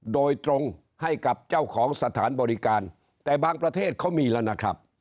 โดยตรงให้กับเจ้าของสถานบริการแต่บางประเทศเขามีแล้วนะครับ